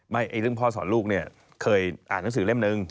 เรื่องพ่อสอนลูกเนี่ยเคยอ่านหนังสือเล่มนึง